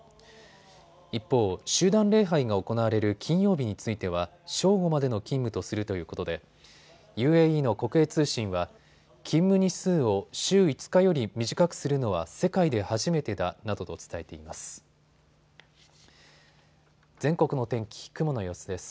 一方、集団礼拝が行われる金曜日については正午までの勤務とするということでＵＡＥの国営通信は勤務日数を週５日より短くするのは世界で初めてだなどと伝えています。